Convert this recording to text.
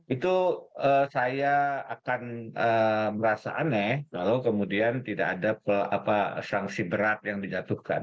itu saya akan merasa aneh kalau kemudian tidak ada sanksi berat yang dijatuhkan